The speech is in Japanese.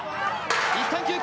一旦休憩。